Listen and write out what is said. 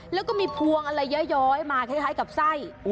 แล้วก็มีพวงอะไรย้อยมาคล้ายกับไส้